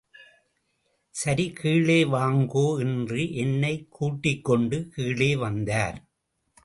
சரி கீழே வாங்கோ என்று என்னைக் கூட்டிக் கொண்டு கீழே வந்தார்.